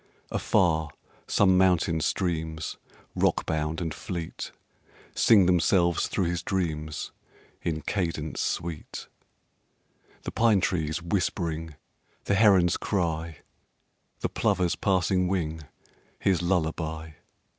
Afar some mountain streams, rockbound and fleet, Sing themselves through his dreams in cadence sweet, The pine trees whispering, the heron's cry, The plover's passing wing, his lullaby.